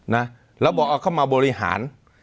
นะแล้วบอกเอาเข้ามาบริหาร